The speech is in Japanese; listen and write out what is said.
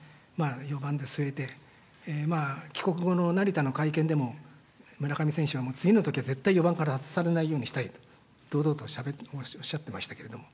４番で据えて、帰国後の成田の会見でも、村上選手は次のときは絶対４番から外されないようにしたいと、堂々としゃべってました、おっしゃってましたけども、